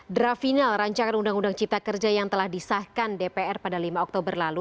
draft final rancangan undang undang cipta kerja yang telah disahkan dpr pada lima oktober lalu